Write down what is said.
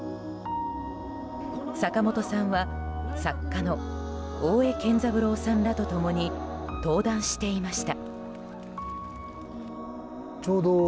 坂本さんは作家の大江健三郎さんらと共に登壇していました。